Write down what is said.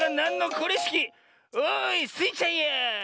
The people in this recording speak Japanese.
おいスイちゃんや！